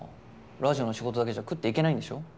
ラジオの仕事だけじゃ食っていけないんでしょ？